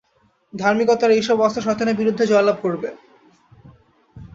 ধার্মিকতার এইসব অস্ত্র শয়তানের বিরূদ্ধে জয়লাভ করবে।